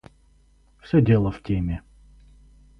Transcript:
Всё дело в теме.